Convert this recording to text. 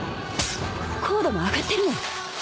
硬度も上がってるのよ